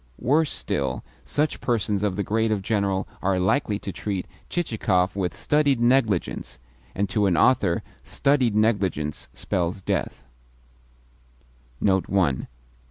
Worse still, such persons of the grade of General are likely to treat Chichikov with studied negligence and to an author studied negligence spells death.